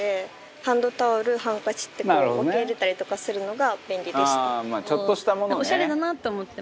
ハンドタオルハンカチって分け入れたりとかするのが便利でした。